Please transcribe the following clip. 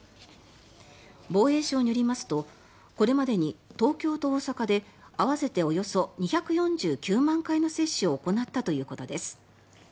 防衛省によりますとこれまでに東京と大阪で合わせておよそ２４９万回の接種を行ったということです。